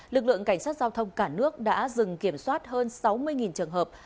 lực lượng cảnh sát giao thông cả nước đã dừng kiểm soát hơn sáu mươi trường hợp